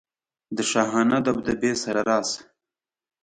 د شاهانه دبدبې سره راشه.